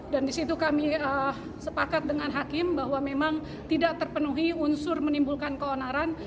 dan disitu kami sepakat dengan hakim bahwa memang tidak terpenuhi unsur menimbulkan keonaran